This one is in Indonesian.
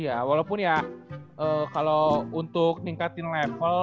iya walaupun ya kalau untuk meningkatin level